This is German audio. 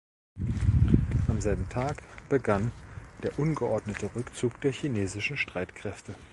Am selben Tag begann der ungeordnete Rückzug der chinesischen Streitkräfte.